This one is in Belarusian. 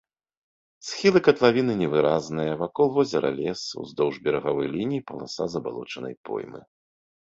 Схілы катлавіны невыразныя, вакол возера лес, уздоўж берагавой лініі паласа забалочанай поймы.